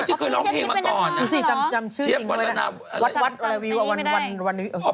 พี่เจี๊ยบที่เคยเป็นนักร้องอ่ะนะ